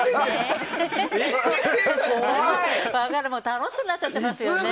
楽しくなっちゃっていますね。